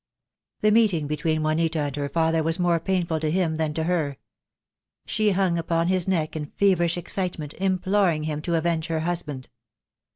The meeting between Juanita and her father was more painful to him than to her. She hung upon his neck in feverish excitement, imploring him to avenge her husband.